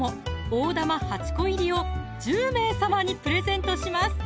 大玉８個入を１０名様にプレゼントします